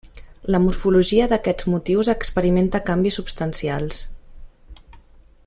La morfologia d'aquests motius experimenta canvis substancials.